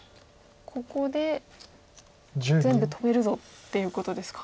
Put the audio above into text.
ここで全部止めるぞっていうことですか。